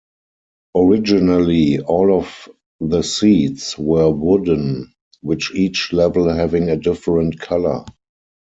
Originally, all of the seats were wooden, with each level having a different color.